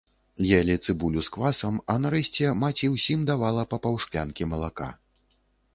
Елі цыбулю з квасам, а нарэшце маці ўсім давала па паўшклянкі малака.